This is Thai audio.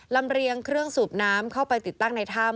เรียงเครื่องสูบน้ำเข้าไปติดตั้งในถ้ำ